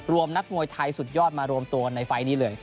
นักมวยไทยสุดยอดมารวมตัวกันในไฟล์นี้เลย